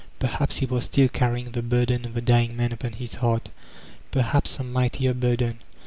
Perhaps he was still carrying the burden of the dying man upon his heart; perhaps some mightier burden.